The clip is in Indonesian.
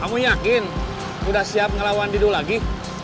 kamu yakin udah siap ngelawan di dulu lagi